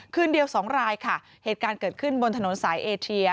คืนเดียวสองรายค่ะเหตุการณ์เกิดขึ้นบนถนนสายเอเชีย